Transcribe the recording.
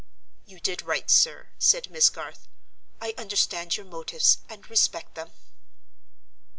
"You did right, sir," said Miss Garth; "I understand your motives, and respect them."